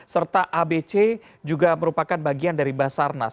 serta abc juga merupakan bagian dari basarnas